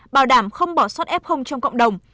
bảo đảm không bỏ soát ép hông trong cộng đồng